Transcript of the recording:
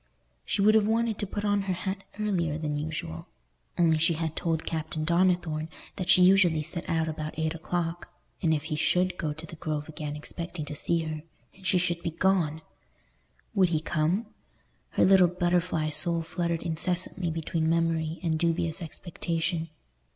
She would have wanted to put on her hat earlier than usual; only she had told Captain Donnithorne that she usually set out about eight o'clock, and if he should go to the Grove again expecting to see her, and she should be gone! Would he come? Her little butterfly soul fluttered incessantly between memory and dubious expectation.